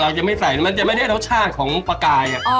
จะไม่ใส่มันจะไม่ได้รสชาติของปลากาย